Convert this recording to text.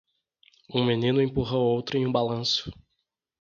Um menino empurra outro em um balanço.